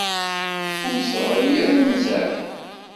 Ur d-teɣri ara Nna Seɛdiya.